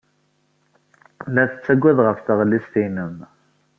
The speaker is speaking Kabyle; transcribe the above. La tettaggad ɣef tɣellist-nnem.